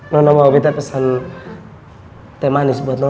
nona mau bete pesan teh manis buat nona